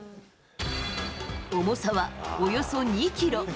重さはおよそ２キロ。